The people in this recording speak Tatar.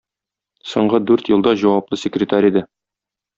Соңгы дүрт елда җаваплы секретарь иде.